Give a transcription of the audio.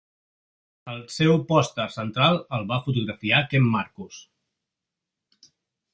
El seu pòster central el va fotografiar Ken Marcus.